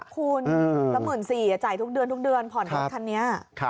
คูณละ๑๔๐๐๐บาทจ่ายทุกเดือนผ่อนรถคันนี้